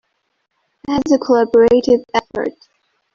As a collaborative effort.